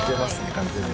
完全に。